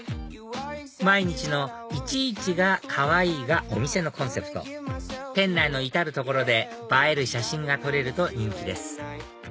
「毎日のイチイチが可愛い」がお店のコンセプト店内の至る所で映える写真が撮れると人気です